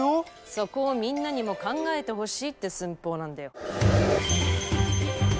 そこをみんなにも考えてほしいって寸法なんだよ！